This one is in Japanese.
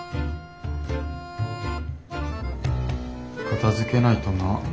片づけないとな。